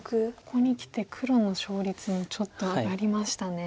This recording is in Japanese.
ここにきて黒の勝率ちょっと上がりましたね。